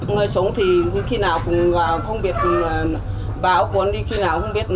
nơi sống thì khi nào cũng không biết báo cuốn đi khi nào không biết